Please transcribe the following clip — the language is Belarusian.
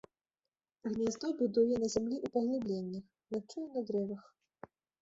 Гняздо будуе на зямлі ў паглыбленнях, начуе на дрэвах.